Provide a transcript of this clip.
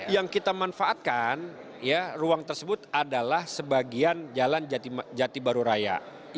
yang kita manfaatkan ruang tersebut adalah sebagian jalan jati baru raya